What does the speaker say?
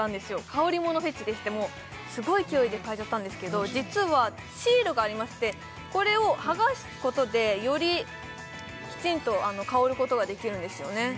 香りものフェチでしてもうすごい勢いで嗅いじゃったんですけど実はシールがありましてこれを剥がすことでよりきちんと香ることができるんですよね